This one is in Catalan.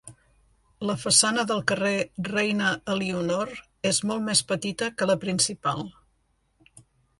La façana del carrer Reina Elionor és molt més petita que la principal.